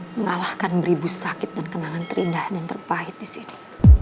mengalahkan beribu sakit dan kenangan terindah dan terpahit disini